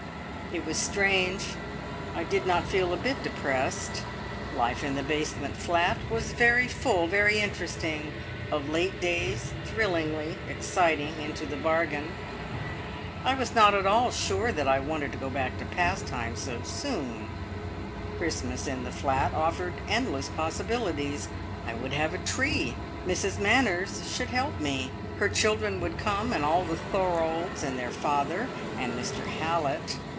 It was strange. I did not feel a bit depressed. Life in the basement flat was very full, very interesting, of late days thrillingly exciting into the bargain. I was not at all sure that I wanted to go back to "Pastimes" so soon. Christmas in the flat offered endless possibilities. I would have a tree! Mrs Manners should help me. Her children would come, and all the Thorolds, and their father, and Mr Hallett.